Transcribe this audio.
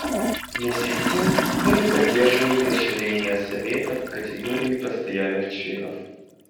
Вместе с тем мы не поддерживаем расширение Совета в категории постоянных членов.